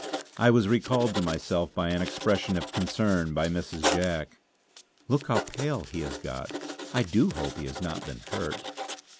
I was recalled to myself by an expression of concern by Mrs. Jack: "Look how pale he has got. I do hope he has not been hurt."